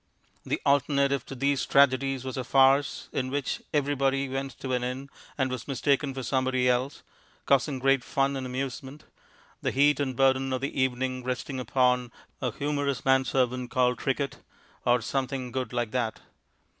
The alternative to these tragedies was a farce, in which everybody went to an inn and was mistaken for somebody else (causing great fun and amusement), the heat and burden of the evening resting upon a humorous man servant called Trickett (or something good like that).